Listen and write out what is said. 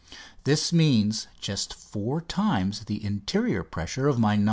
This means just four times the interior pressure of my "No.